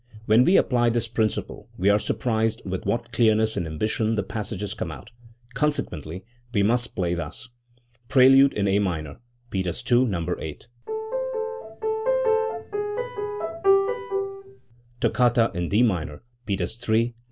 When we apply this principle we are surprised with what clearness and animation the passages come out. Conse quently we must play thus Prelude in A minor (Peters II, No. 8): SE ssgi|^| Toccata in I) minor (Peters III, No.